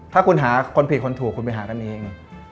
ถ้าคุณหาคนผิดคนถูกคุณไปหากันเอง